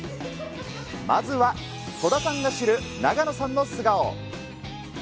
まずは、戸田さんが知る永野さんの素顔。